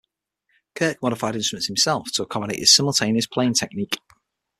Kirk modified instruments himself to accommodate his simultaneous playing technique.